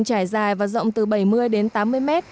trải dài và rộng từ bảy mươi tám mươi m